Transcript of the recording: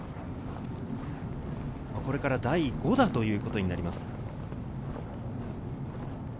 これから第５打ということになります。